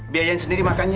biayain sendiri makannya